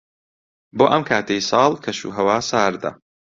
بۆ ئەم کاتەی ساڵ، کەشوهەوا ساردە.